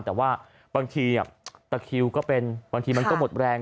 แต่ว่าบางทีตะคิวก็เป็นบางทีมันก็หมดแรง